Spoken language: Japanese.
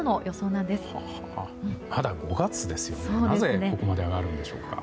なぜここまで上がるんでしょうか。